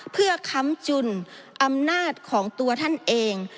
เพื่อค้ำจุนอำนาจของตัวท่านเอง